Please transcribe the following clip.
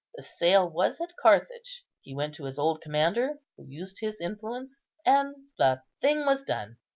The sale was at Carthage; he went to his old commander, who used his influence, and the thing was done.